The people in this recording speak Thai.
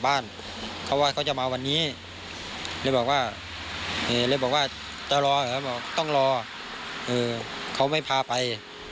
แล้วผมก็ถามว่าเมียจะกลับไง